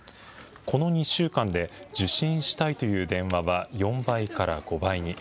この２週間で受診したいという電話は４倍から５倍に。